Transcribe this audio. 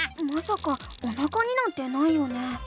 まさかおなかになんてないよね？